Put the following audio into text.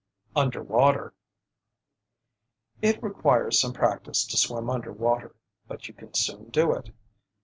UNDER WATER It requires some practice to swim under water, but you can soon do it.